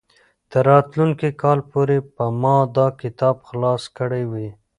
تر راتلونکي کال پورې به ما دا کتاب خلاص کړی وي.